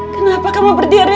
kenapa kamu berdiri